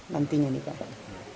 nantinya nih pak